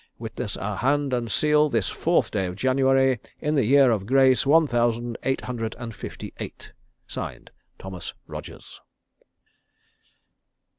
"Witness our hand and seal this 4th day of January, in the year of grace, one thousand eight hundred and fifty eight. (Signed) "THOMAS ROGERS."